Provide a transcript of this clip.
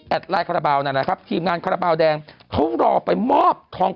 ไลน์คาราบาลนั่นแหละครับทีมงานคาราบาลแดงเขารอไปมอบทอง